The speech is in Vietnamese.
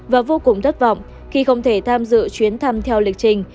và vô cùng thất vọng khi không thể tham dự chuyến thăm theo lịch trình